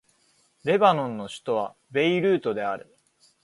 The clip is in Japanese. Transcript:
レバノンの首都はベイルートである